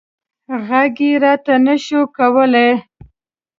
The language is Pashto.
غږ یې راته نه شو کولی.